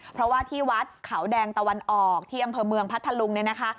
เพราะว่าที่วัดเขาแดงตะวันออกที่อำเภอเมืองพัทธลุงเนี่ยนะคะ